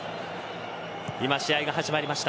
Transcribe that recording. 今、試合が始まりました。